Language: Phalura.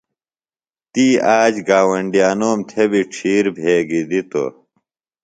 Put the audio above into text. تی آ ج گاوۡنڈیانوم تھےۡ بیۡ ڇِھیر بھیگیۡ دِتوۡ۔